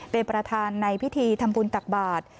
เป็นประธานในพิธีทำบุญตักบาท